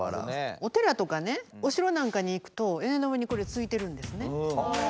お寺とかねおしろなんかに行くと屋根の上にこれついてるんですね。